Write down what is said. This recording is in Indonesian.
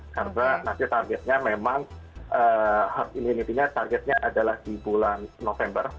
karena nanti targetnya memang targetnya adalah di bulan november